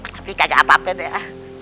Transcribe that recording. tapi kagak apa apa ya